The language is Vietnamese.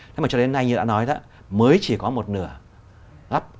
thế mà cho đến nay như đã nói đó mới chỉ có một nửa gấp